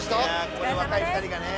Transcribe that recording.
ここで若い２人がね。